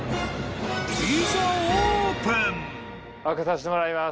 開けさしてもらいます。